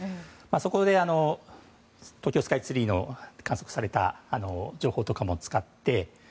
そこで東京スカイツリーで観測された情報とかも使って。